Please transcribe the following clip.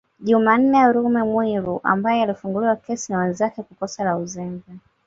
Jumanne Lume Mwiru ambaye alifunguliwa kesi na wenzake kwa kosa la uzembe